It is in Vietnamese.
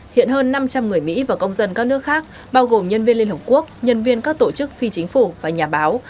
hiện hơn năm trăm linh người mỹ và công dân các nước khác bao gồm nhân viên liên hợp quốc nhân viên các tổ chức phi chính phủ và nhà báo